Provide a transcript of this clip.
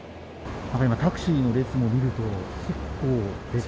今、タクシーの列を見ると、結構。